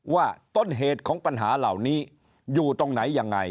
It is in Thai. ว่าต้นเหตุของปัญหาเหล่านี้อยู่ตรงไหนยังไง